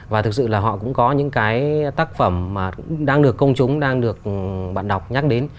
và thực sự là họ cũng có những cái tác phẩm đang được công chúng đang được bạn đọc nhắc đến